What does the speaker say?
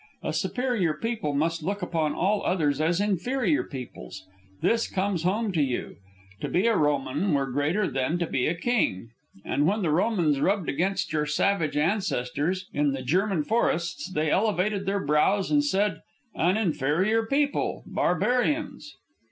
A superior people must look upon all others as inferior peoples. This comes home to you. To be a Roman were greater than to be a king, and when the Romans rubbed against your savage ancestors in the German forests, they elevated their brows and said, 'An inferior people, barbarians.'"